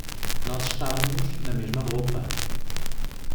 Nós estávamos na mesma roupa.